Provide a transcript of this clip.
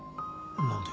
何で？